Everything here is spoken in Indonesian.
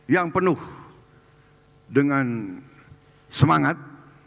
yang penuh dengan semangat